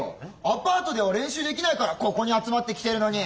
アパートでは練習できないからここに集まってきてるのに！